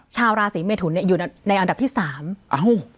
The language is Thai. ชาวราศีเมทุนเนี้ยอยู่ในอันดับที่สามอ้าว